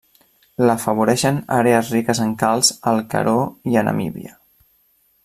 L'afavoreixen àrees riques en calç al Karoo i a Namíbia.